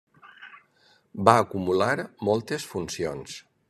Va acumular moltes funcions.